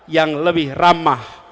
yang lebih ramah